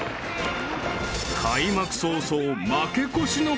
［開幕早々負け越しの］